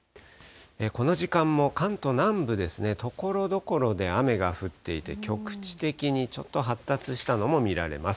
この時間も関東南部ですね、ところどころで雨が降っていて、局地的にちょっと発達したのも見られます。